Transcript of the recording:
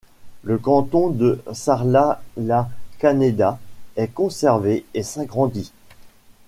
Le canton de Sarlat-la-Canéda est conservé et s'agrandit.